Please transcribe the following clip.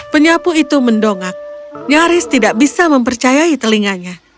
penyapu itu mendongak nyaris tidak bisa mempercayai telinganya